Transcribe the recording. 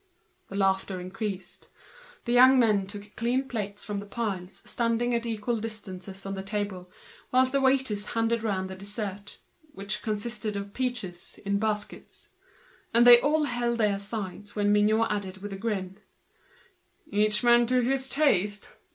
The laughter increased. The young men took their clean plates from the piles standing on the table, at equal distances, whilst the waiters handed round the dessert, which consisted of peaches, in baskets. And they all held their sides when Mignot added, with a grin: "Each man to his taste.